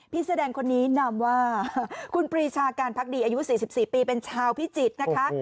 แสดงคนนี้นำว่าคุณปรีชาการพักดีอายุ๔๔ปีเป็นชาวพิจิตรนะคะ